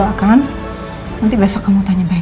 ya mbak ya mungkin besok kamu telepon